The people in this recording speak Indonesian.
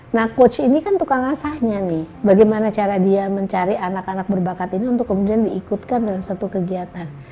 nah coach ini kan tukang asahnya nih bagaimana cara dia mencari anak anak berbakat ini untuk kemudian diikutkan dalam satu kegiatan